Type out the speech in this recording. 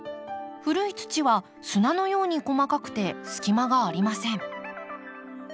古い土は砂のように細かくて隙間がありません。